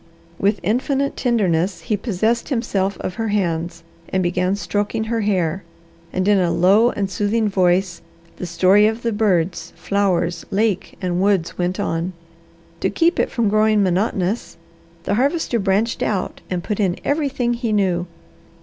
With infinite tenderness he possessed himself of her hands and began stroking her hair, and in a low and soothing voice the story of the birds, flowers, lake, and woods went on. To keep it from growing monotonous the Harvester branched out and put in everything he knew.